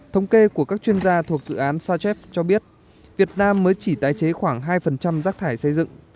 thống kê của các chuyên gia thuộc dự án sachev cho biết việt nam mới chỉ tái chế khoảng hai rác thải xây dựng